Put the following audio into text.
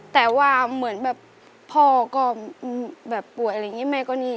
แต่ว่าเหมือนแบบพ่อก็แบบป่วยอะไรอย่างนี้แม่ก็นี่